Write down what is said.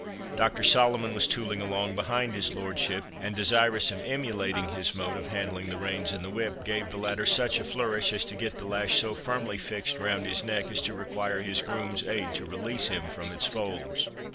Dr. Solomon was tooling along behind his lordship, and desirous of emulating his mode of handling the reins and whip, gave the latter such a flourish as to get the lash so firmly fixed round his neck as to require his groom's aid to release him from its folds.